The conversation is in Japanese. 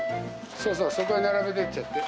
そうそう、そこへ並べてっちゃって。